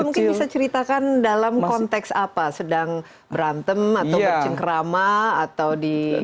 mungkin bisa ceritakan dalam konteks apa sedang berantem atau bercengkrama atau di